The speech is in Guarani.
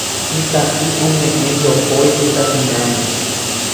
Mitã'i ome'ẽ jopói mitãkuñáme.